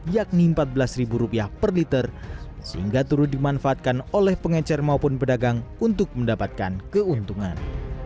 yakni rp empat belas per liter sehingga turut dimanfaatkan oleh pengecer maupun pedagang untuk mendapatkan keuntungan